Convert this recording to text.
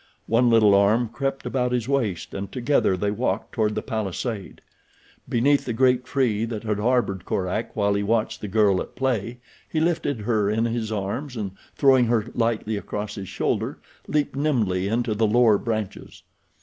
One little arm crept about his waist and together they walked toward the palisade. Beneath the great tree that had harbored Korak while he watched the girl at play he lifted her in his arms and throwing her lightly across his shoulder leaped nimbly into the lower branches.